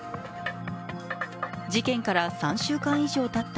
事件から３週間以上たった